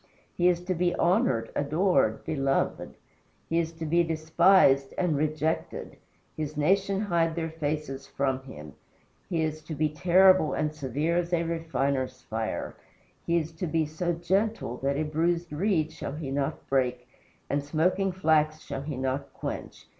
He is to be honored, adored, beloved; he is to be despised and rejected his nation hide their faces from him. He is to be terrible and severe as a refiner's fire; he is to be so gentle that a bruised reed shall he not break, and smoking flax shall he not quench.